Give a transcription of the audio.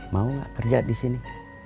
mau nggak kerja di sini